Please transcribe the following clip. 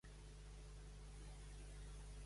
La família Felbrigg va originar l'estat.